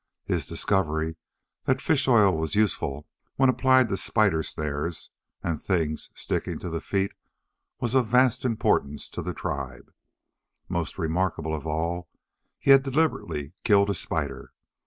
His discovery that fish oil was useful when applied to spider snares and things sticking to the feet was of vast importance to the tribe. Most remarkable of all, he had deliberately killed a spider.